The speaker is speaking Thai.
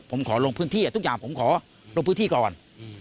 ผมขอลงพื้นที่ทุกอย่างผมขอลงพื้นที่ก่อน